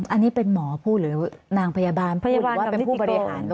อันนี้เป็นหมอพูดหรือนางพยาบาล